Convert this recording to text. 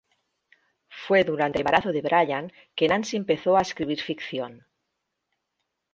Fue durante el embarazo de Brian que Nancy empezó a escribir ficción.